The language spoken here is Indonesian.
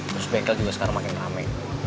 terus bengkel juga sekarang makin ramai